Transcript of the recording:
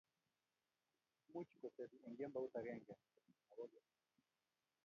much kotebii eng kembout agenge, ma kogeny?